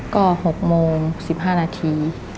ก็๖โมง๑๕นาที